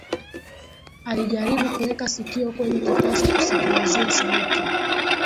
Alijaribu kuweka sikio kwenye kitasa kusikilizia sauti